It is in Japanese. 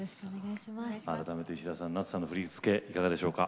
改めて石田さん夏さんの振り付けいかがでしょうか？